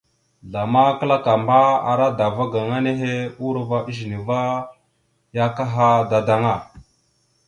Zlama kǝlakamba, ara dava gaŋa nehe urova ezine va ya akaha dadaŋa.